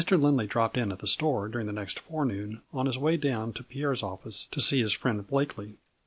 Lindley dropped in at the store during the next forenoon on his way down to Pierre's office to see his friend Blakely.